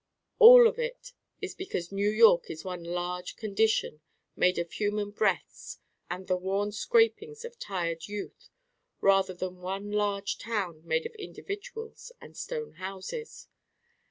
All of it is because New York is one Large Condition made of human breaths and the worn scrapings of tired Youth rather than one large town made of individuals and stone houses.